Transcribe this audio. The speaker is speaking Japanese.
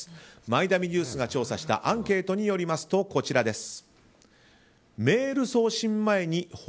マイナビニュースが調査したアンケートによりますとこちらです。